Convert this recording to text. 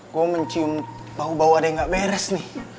gua mencium bau bau ada yang ga beres nih